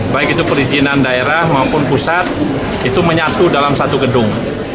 baik itu perizinan daerah maupun pusat itu menyatu dalam satu gedung